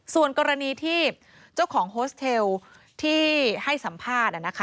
ส่วนกรณีที่เจ้าของโฮสเทลที่ให้สัมภาษณ์